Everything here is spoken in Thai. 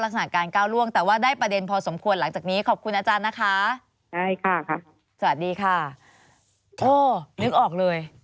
โอ้ยยยนึกออกเลย